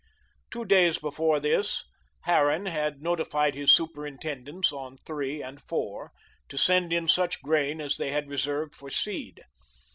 Two days before this, Harran had notified his superintendents on Three and Four to send in such grain as they had reserved for seed.